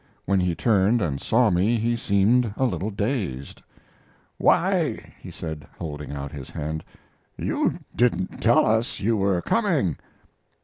When he turned and saw me he seemed a little dazed. "Why," he said, holding out his hand, "you didn't tell us you were coming."